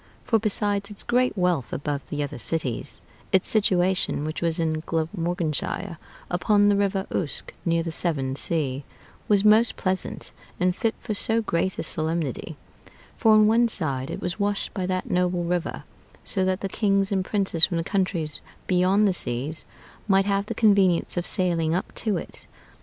For besides its great wealth above the other cities, its situation, which was in Glamorganshire, upon the River Uske, near the Severn Sea, was most pleasant and fit for so great a solemnity; for on one side it was washed by that noble river, so that the kings and princes from the countries beyond the seas might have the convenience of sailing up to it.